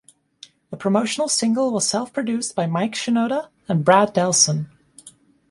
The promotional single was self-produced by Mike Shinoda and Brad Delson.